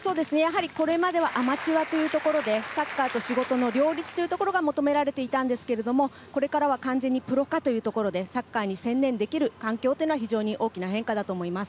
これまではアマチュアというところで、サッカーと仕事の両立というところが求められていたんですが、これからは完全にプロ化というところでサッカーに専念できる環境が非常に大きな変化だと思います。